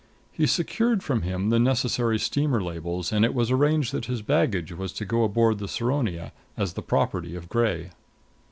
He secured from him the necessary steamer labels and it was arranged that his baggage was to go aboard the Saronia as the property of Gray.